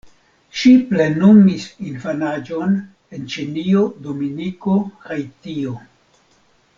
Ŝi plenumis infanaĝon en Ĉinio, Dominiko, Haitio.